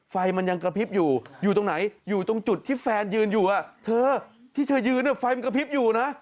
ไฟมันยังกระพริบอยู่อยู่ตรงไหนอยู่ตรงจุดที่แฟนยืนอยู่เธอที่เธอยืนไฟมันกระพริบอยู่นะ